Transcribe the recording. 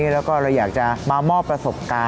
แล้วก็เราอยากจะมามอบประสบการณ์